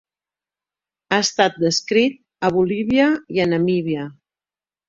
Ha estat descrit a Bolívia i a Namíbia.